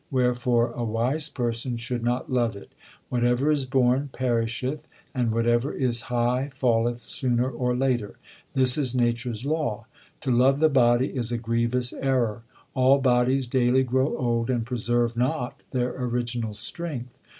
Wherefore a wise person should not love it. Whatever is born perisheth, and whatever is high falleth sooner or later. This is nature s law. To love the body is a grievous error. All bodies daily grow old and preserve not their original strength.